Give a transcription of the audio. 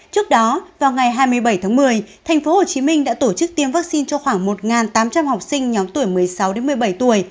trước đó vào ngày hai mươi bảy tháng một mươi thành phố hồ chí minh đã tổ chức tiêm vaccine cho khoảng một tám trăm linh học sinh nhóm tuổi một mươi sáu một mươi bảy tuổi